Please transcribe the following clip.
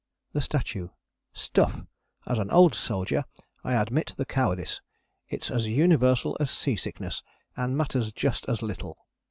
THE STATUE. Stuff! As an old soldier I admit the cowardice: it's as universal as sea sickness, and matters just as little.